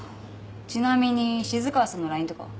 ちなみに静川さんのＬＩＮＥとかは？